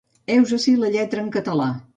Heus ací la lletra en català.